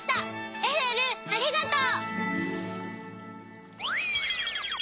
えるえるありがとう。